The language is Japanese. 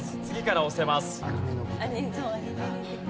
次から押せます。